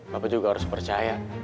bapak juga harus percaya